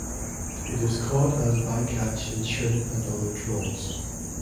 It is caught as bycatch in shrimp and other trawls.